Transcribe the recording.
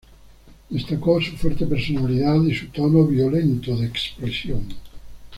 Destacó su fuerte personalidad y su "tono violento de expresión".